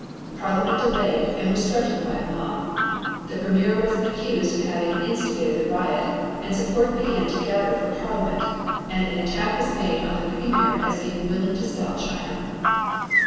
Parliament delayed and was threatened by a mob. The Premier was accused of having instigated the riot and support began to gather for Parliament, and an attack was made on the Premier as being willing to sell China.